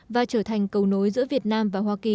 và trở thành cầu nối giữa việt nam và hoa kỳ